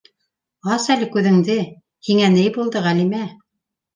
Ас әле күҙеңде! һиңә ни булды, Ғәлимә?